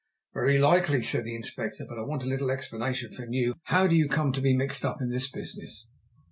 "Very likely," said the Inspector; "but I want a little explanation from you. How do you come to be mixed up in this business?"